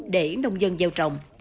để nông dân gieo trồng